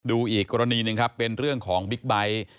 ดูอีกกรณีหนึ่งครับเป็นเรื่องของบิ๊กไบท์